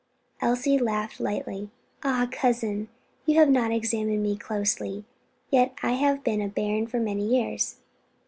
Elsie laughed lightly. "Ah, cousin, you have not examined me closely yet I have not been a bairn for many years.